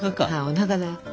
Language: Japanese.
おなかだよ。